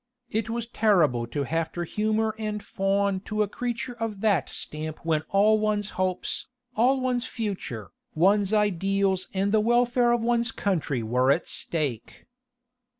It was terrible to have to humour and fawn to a creature of that stamp when all one's hopes, all one's future, one's ideals and the welfare of one's country were at stake.